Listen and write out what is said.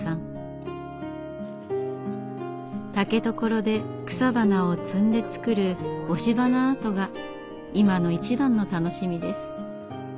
竹所で草花を摘んで作る押し花アートが今の一番の楽しみです。